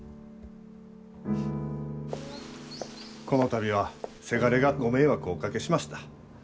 この度はせがれがご迷惑をおかけしました。